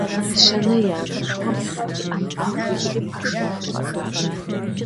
Дыщэнэ и анэшхуэм и Ӏэм ба хуищӀри, пэшым къыщӀэжащ.